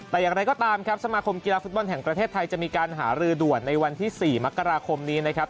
แต่อย่างไรก็ตามครับสมาคมกีฬาฟุตบอลแห่งประเทศไทยจะมีการหารือด่วนในวันที่๔มกราคมนี้นะครับ